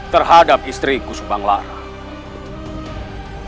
terhadap istriku subang lara